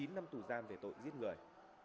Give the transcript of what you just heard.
chín năm tù giam về tội giết người